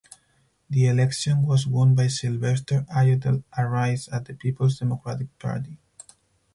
The election was won by Sylvester Ayodele Arise of the Peoples Democratic Party.